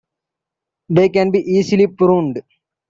They can be easily pruned.